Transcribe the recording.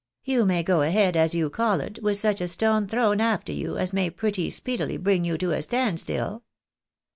" You may go ahead, as you call it, with such a stone thrown after you as may pretty speedily bring you to a stand still."